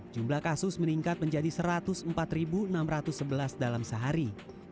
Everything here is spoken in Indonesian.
jumlah kasus meningkat menjadi satu ratus empat enam ratus sebelas dalam sehari